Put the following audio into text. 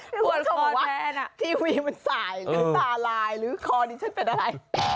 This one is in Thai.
หัวเขาบอกว่าทีวีมันสายหรือตาลายหรือคอดิฉันเป็นอะไร